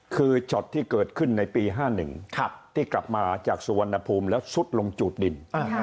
คือช็อตที่เกิดขึ้นในปี๕๑ที่กลับมาจากสุวรรณภูมิแล้วซุดลงจูดดิน